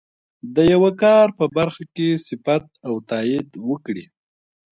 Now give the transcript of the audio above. د یوه کار په برخه کې صفت او تایید وکړي.